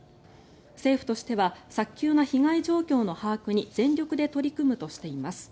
政府としては早急な被害情報の把握に全力で取り組むとしています。